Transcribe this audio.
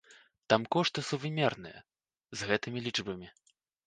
Там кошты сувымерныя з гэтымі лічбамі.